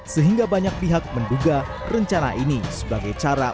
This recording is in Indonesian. sehingga banyak pihak menduga rencana ini sebagai cara